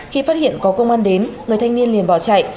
khi phát hiện có công an đến người thanh niên liền bỏ chạy